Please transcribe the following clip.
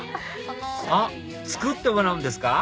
あっ作ってもらうんですか？